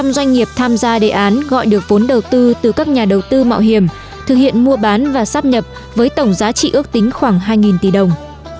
bảy mươi doanh nghiệp tham gia đề án gọi được vốn đầu tư từ các nhà đầu tư mạo hiểm thực hiện mua bán và sắp nhập với tổng giá trị ước tính khoảng hai tỷ đồng